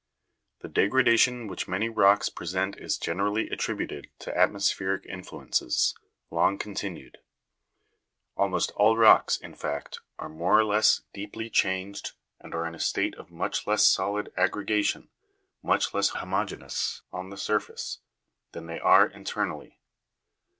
The degradation which many rocks present is generally attributed to atmospheric influences, lo g continued. Almost all rocks, in fact, are more or less deeply changed, and are in a state of much less solid aggrega tion, much less homogeneous, on the surface, than they are inter nally.